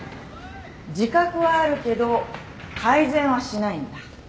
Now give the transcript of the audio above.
自覚はあるけど改善はしないんだ。